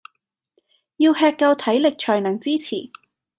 要吃夠體力才能支持